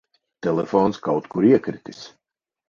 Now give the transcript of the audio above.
Telefons kaut kur iekritis.